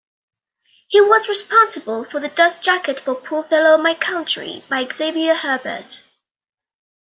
He was responsible for the dust-jacket for "Poor Fellow My Country" by Xavier Herbert.